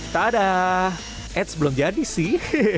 tadah eits belum jadi sih